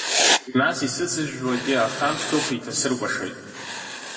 Нас исыцызжәуагьы ахамшҭыхә иҭасыркәашоит.